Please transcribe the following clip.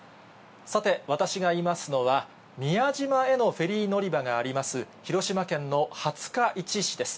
さて、私がいますのは、宮島へのフェリー乗り場があります、広島県の廿日市市です。